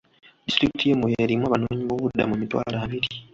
Disitulikiti y'e Moyo erimu abanoonyiboobubudamu emitwalo abiri.